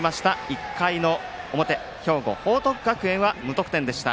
１回の表、兵庫、報徳学園は無得点でした。